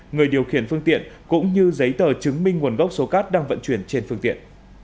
người điều khiển phương tiện cũng như giấy tờ chứng minh nguồn gốc số cát đang vận chuyển trên phương tiện